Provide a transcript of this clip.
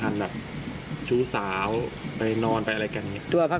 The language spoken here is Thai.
การรักษา